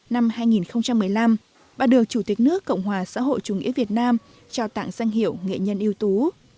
năm hai nghìn một mươi năm bà được chủ tịch nước cộng hòa xã hội chủ nghĩa việt nam trao tặng danh hiệu nghệ nhân yếu tố